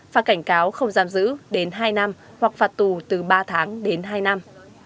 phạt cảnh cáo không giam giữ đến hai năm hoặc phạt tù từ ba tháng đến hai năm